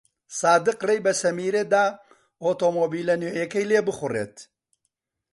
سادق ڕێی بە سەمیرە دا ئۆتۆمۆبیلە نوێیەکەی لێ بخوڕێت.